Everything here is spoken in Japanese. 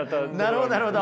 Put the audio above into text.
なるほどなるほど。